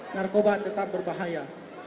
narkoba tetap berbahaya